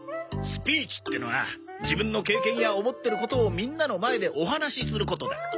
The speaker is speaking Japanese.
スピーチってのは自分の経験や思ってることをみんなの前でお話しすることだ。